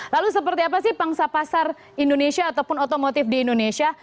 lalu seperti apa sih pangsa pasar indonesia ataupun otomotif di indonesia